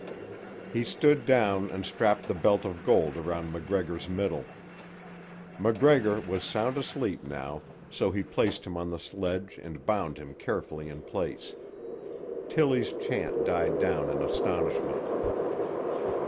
He stood down and strapped the belt of gold around MacGregor's middle. MacGregor was sound asleep now, so he placed him on the sledge and bound him carefully in place. Tillie's chant died down in astonishment.